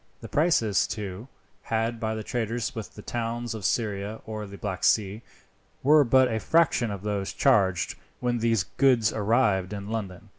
The prices, too, asked by the traders with the towns of Syria or the Black Sea, were but a fraction of those charged when these goods arrived in London.